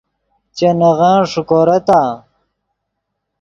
چے نغن ݰیکورتآ؟